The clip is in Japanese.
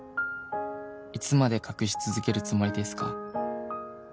「いつまで隠し続けるつもりですか？」